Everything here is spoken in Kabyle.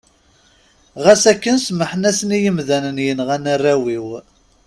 Ɣas akken, semmḥen-asen i yimdanen yenɣan arraw-iw.